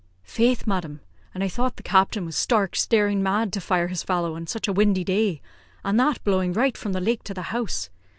"Faith, madam! an' I thought the captain was stark, staring mad to fire his fallow on such a windy day, and that blowing right from the lake to the house.